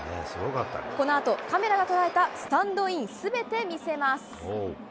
このあとカメラが捉えたスタンドインすべて見せます。